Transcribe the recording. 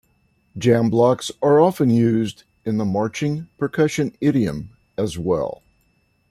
Jam blocks are often used in the marching percussion idiom as well.